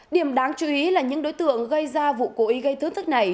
điểm đáng chú ý là những đối tượng gây ra vụ cố ý gây thương tích này